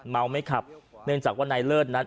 เมาไม่ขับเนื่องจากว่านายเลิศนั้น